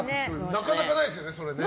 なかなかないっすよね。